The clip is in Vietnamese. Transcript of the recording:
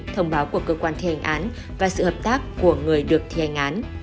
thông báo của cơ quan thi hành án và sự hợp tác của người được thi hành án